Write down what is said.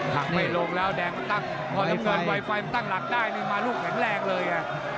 หักไม่ลงแล้วแดงมันตั้งพอน้ำเงินไวไฟมันตั้งหลักได้นี่มาลูกแข็งแรงเลย